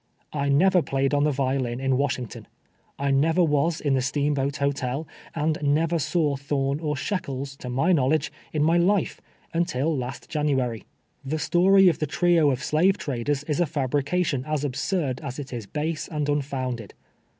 I never played on the violin in Washington. I never "was in the Steamboat Hotel, and never saw Tliorn or Shekels, to my knowledge, in my life, until last Jan uary. The story of the trio of slave traders is a fab rication as absurd as it is base and unfounded.